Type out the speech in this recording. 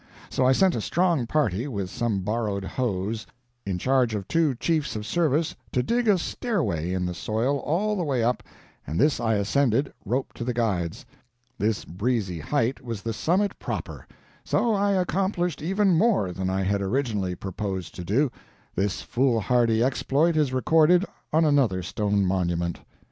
So I sent a strong party, with some borrowed hoes, in charge of two chiefs of service, to dig a stairway in the soil all the way up, and this I ascended, roped to the guides. This breezy height was the summit proper so I accomplished even more than I had originally purposed to do. This foolhardy exploit is recorded on another stone monument.